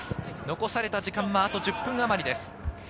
残された時間はあと１０分あまりです。